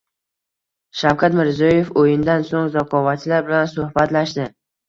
Shavkat Mirziyoyev o‘yindan so‘ng zakovatchilar bilan suhbatlashdi